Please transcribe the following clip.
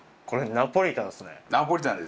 ナポリタンです。